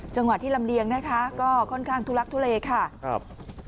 จังหวะที่ลำเลียงนะคะก็ค่อนข้างทุลักทุเลค่ะครับ